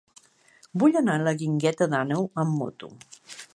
Vull anar a la Guingueta d'Àneu amb moto.